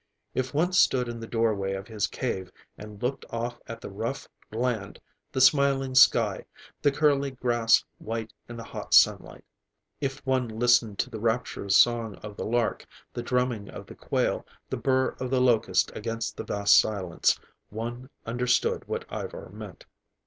If one stood in the doorway of his cave, and looked off at the rough land, the smiling sky, the curly grass white in the hot sunlight; if one listened to the rapturous song of the lark, the drumming of the quail, the burr of the locust against that vast silence, one understood what Ivar meant.